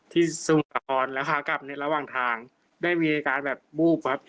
ที่สูงคอนแล้วค้ากลับเนี้ยระหว่างทางได้มีอาการแบบบูบครับ